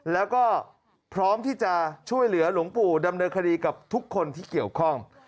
แล้วก็พร้อมที่จะช่วยเหลือหลวงปู่ดำเนินคดีกับทุกคนที่เกี่ยวข้อง